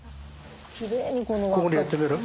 ここでやってみる？